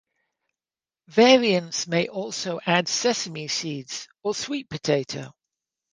Variants may also add sesame seeds or sweet potato.